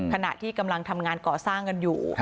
ขณะที่กำลังทำงานก่อสร้างกันอยู่